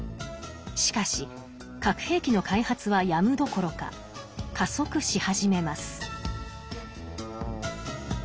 しかし核兵器の開発はやむどころか加速し始めます。